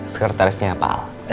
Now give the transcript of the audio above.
sekretarisnya pak al